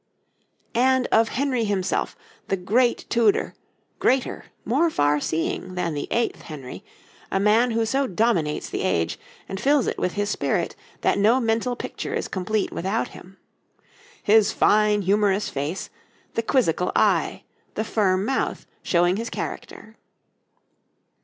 And of Henry himself, the great Tudor, greater, more farseeing than the eighth Henry, a man who so dominates the age, and fills it with his spirit, that no mental picture is complete without him. His fine, humorous face, the quizzical eye, the firm mouth, showing his character.